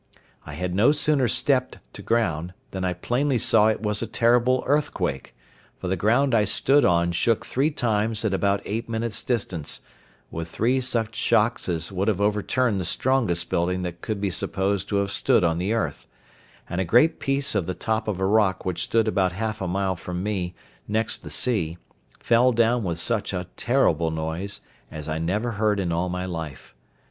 I had no sooner stepped down upon the firm ground, than I plainly saw it was a terrible earthquake, for the ground I stood on shook three times at about eight minutes' distance, with three such shocks as would have overturned the strongest building that could be supposed to have stood on the earth; and a great piece of the top of a rock which stood about half a mile from me next the sea fell down with such a terrible noise as I never heard in all my life.